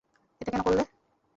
এটা কেন করলে?